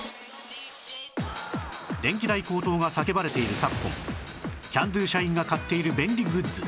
電気代高騰が叫ばれている昨今キャンドゥ社員が買っている便利グッズ